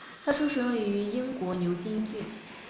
他出生于英国牛津郡。